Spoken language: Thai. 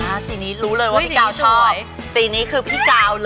อ่าสีนี้รู้เลยว่าพี่กาวชอบ